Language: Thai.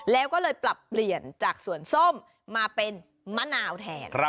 แล้วก็เลยปรับเปลี่ยนจากสวนส้มมาเป็นมะนาวแทน